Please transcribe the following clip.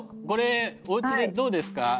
これおうちでどうですか？